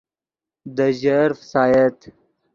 دے ژر فسایت